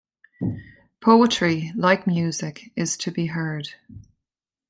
Poetry, like music, is to be heard.